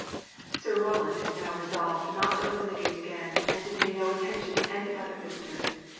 Sir Roland now resolved not to open the gate again, and to pay no attention to any other visitor.